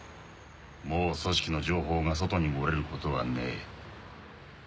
もう組織の情報が外にもれることはねえ。